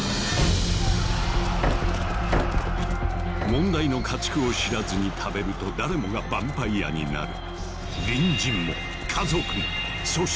問題の家畜を知らずに食べると誰もがバンパイアになる。